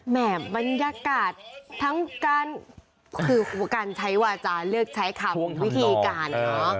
แม่บรรยากาศทั้งการคือการใช้วาจาเลือกใช้คำวิธีการเนอะ